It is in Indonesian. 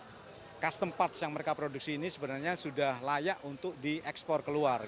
nah custom parts yang mereka produksi ini sebenarnya sudah layak untuk diekspor keluar